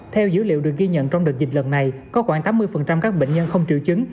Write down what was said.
theo dữ liệu được ghi nhận trong đợt dịch lần này có khoảng tám mươi các bệnh nhân không triệu chứng